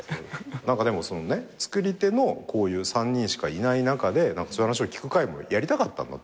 何かでもそのね作り手のこういう３人しかいない中でそういう話を聞く回もやりたかったんだって